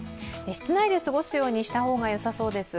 室内で過ごすようにした方がよさそうです。